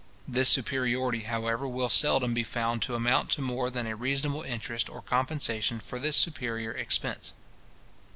This superiority, however, will seldom be found to amount to more than a reasonable interest or compensation for this superior expense.